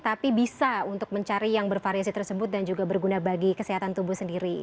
tapi bisa untuk mencari yang bervariasi tersebut dan juga berguna bagi kesehatan tubuh sendiri